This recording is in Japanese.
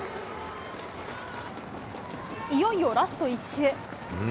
いよいよラスト１周。